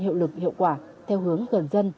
hiệu lực hiệu quả theo hướng gần dân